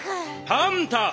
パンタ！